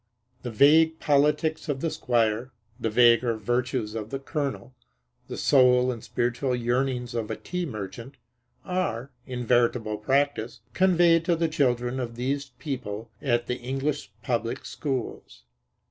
The vague politics of the squire, the vaguer virtues of the colonel, the soul and spiritual yearnings of a tea merchant, are, in veritable practice, conveyed to the children of these people at the English public schools.